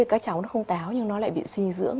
các cháu nó không táo nhưng nó lại bị suy dưỡng